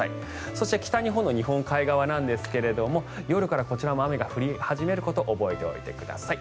そして北日本の日本海側なんですが夜からこちらも雨が降り始めることを覚えておいてください。